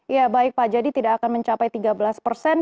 ya baik pak jadi tidak akan mencapai tiga belas persen